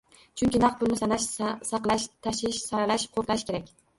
Chunki naqd pulni sanash, saqlash, tashish, saralash, qo'riqlash kerak